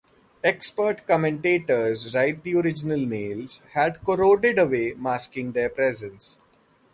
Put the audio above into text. Expert commentators write the original nails had corroded away masking their presence.